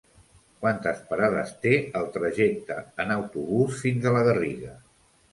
Quantes parades té el trajecte en autobús fins a la Garriga?